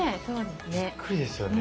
びっくりですよね。